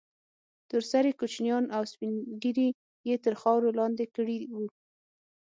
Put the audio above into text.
تور سرې كوچنيان او سپين ږيري يې تر خاورو لاندې كړي وو.